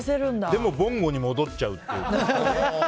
でもぼんごに戻っちゃうっていう。